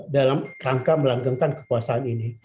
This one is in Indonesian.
dalam rangka melanggengkan kekuasaan ini